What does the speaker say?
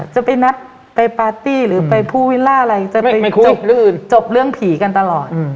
จะไปนัดไปปาร์ตี้หรือไปภูวิลล่าอะไรจะไปจบเรื่องอื่นจบเรื่องผีกันตลอด